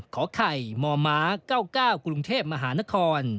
ขอไข่มม๙๙กรุงเทพมหานคร